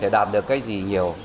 đạt được cái gì nhiều